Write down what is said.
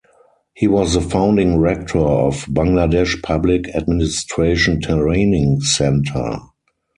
He was the founding Rector of Bangladesh Public Administration Training Centre.